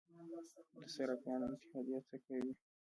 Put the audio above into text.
د صرافانو اتحادیه څه کوي؟